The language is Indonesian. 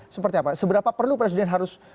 seperti apa seberapa perlu presiden harus